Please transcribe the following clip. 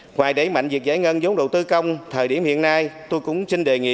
ngoài đẩy mạnh việc giải ngân vốn đầu tư công thời điểm hiện nay tôi cũng xin đề nghị